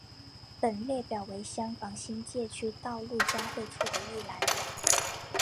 本列表为香港新界区道路交汇处的一览表。